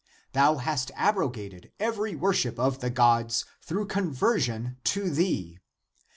Thou hast abrogated every worship of the gods through conversion to thee.